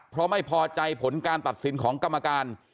เพราะไม่พอใจผลการตัดสินของกรรมการ